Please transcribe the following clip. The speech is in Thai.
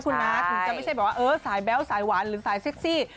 ถึงจะไม่ใช่สายแบ้วสายหวานหรือสายเซ็กซี่